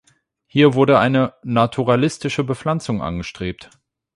Hier wurde eine naturalistische Bepflanzung angestrebt.